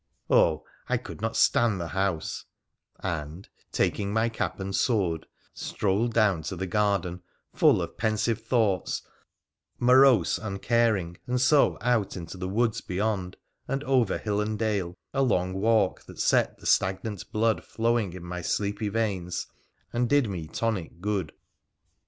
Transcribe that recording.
Oh ! I could not stand the house, and, taking my cap and sword, strolled down the garden, full of pensive thoughts, morose, uncaring, and so out into the woods beyond, and over hill and dale, a long walk that set the stagnant blood flowing in my sleepy veins, and did me tonic good.